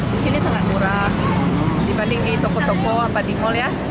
disini sangat murah dibanding di toko toko apa di mall ya